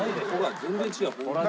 全然違う。